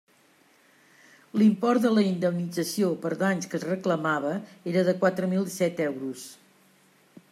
L'import de la indemnització per danys que es reclamava era de quatre mil dèsset euros.